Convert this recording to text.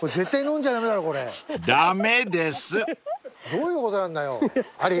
どういうことなんだよアリ。